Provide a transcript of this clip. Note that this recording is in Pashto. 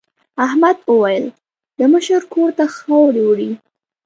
احمد وویل د مشر کور ته خاورې وړي.